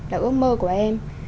là ước mơ của em